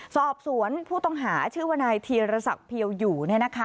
สอบสวนผู้ต้องหาชื่อวนายธีรศักดิ์เพียวอยู่